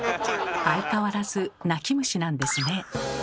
相変わらず泣き虫なんですね。